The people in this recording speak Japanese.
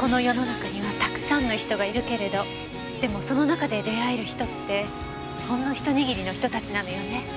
この世の中にはたくさんの人がいるけれどでもその中で出会える人ってほんのひと握りの人たちなのよね。